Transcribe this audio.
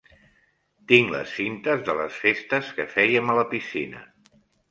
Tinc les cintes de les festes que fèiem a la piscina.